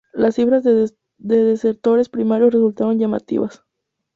Las cifras de desertores primarios resultaron llamativas.